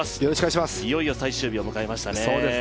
いよいよ最終日を迎えましたね。